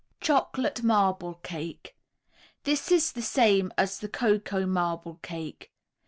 CHOCOLATE MARBLE CAKE This is the same as the Cocoa Marble Cake.